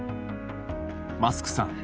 「マスクさん